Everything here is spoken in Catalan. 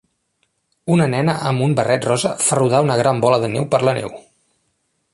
una nena amb un barret rosa fa rodar una gran bola de neu per la neu